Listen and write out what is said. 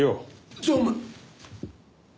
常務！